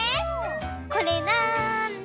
これなんだ？